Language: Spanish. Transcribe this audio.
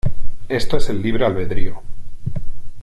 Esto es el libre albedrío.